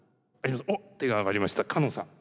おっ手が挙がりましたかのんさん。